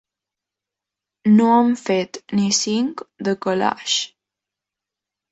No hem fet ni cinc de calaix.